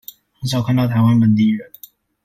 很少看到台灣本地人